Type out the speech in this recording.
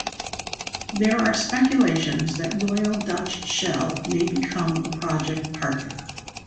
There are speculations that Royal Dutch Shell may become a project partner.